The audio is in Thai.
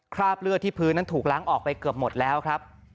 คราบเลือดที่พื้นนั้นถูกล้างออกไปเกือบหมดแล้วครับ